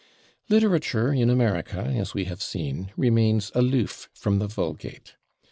Literature in America, as we have seen, remains aloof from the vulgate.